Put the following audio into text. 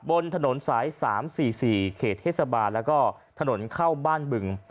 บนถนนสาย๓๔๔เขตเทศบาลแล้วก็ถนนเข้าบ้านบึง